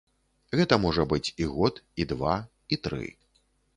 Гэта можа быць і год, і два, і тры.